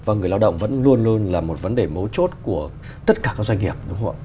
và người lao động vẫn luôn luôn là một vấn đề mấu chốt của tất cả các doanh nghiệp